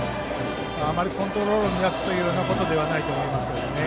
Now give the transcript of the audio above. あまりコントロールを乱すということはないと思います。